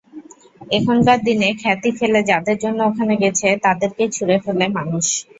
এখনকার দিনে খ্যাতি ফেলে যাদের জন্য ওখানে গেছে, তাদেরকেই ছুঁড়ে ফেলে মানুষ।